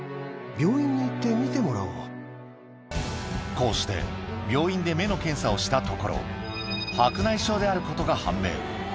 こうして病院で目の検査をしたところであることが判明